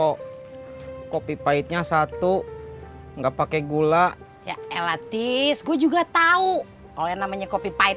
kalau kopi pahitnya satu enggak pakai gula ya elatis gue juga tahu kalau yang namanya kopi pahit